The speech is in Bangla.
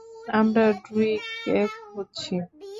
আমরা ড্রুইগকে খুঁজছি।